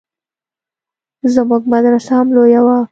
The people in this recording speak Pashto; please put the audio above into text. زموږ مدرسه هم لويه وه.